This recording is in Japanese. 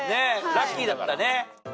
ラッキーだったね。